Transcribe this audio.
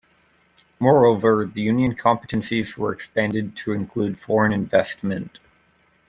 Moreover, the Union competencies were expanded to include foreign investment.